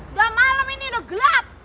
udah malam ini udah gelap